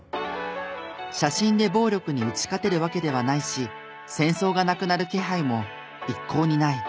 写真で暴力に打ち勝てるわけではないし戦争がなくなる気配も一向にない